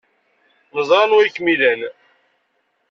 Neẓra anwa ay kem-ilan.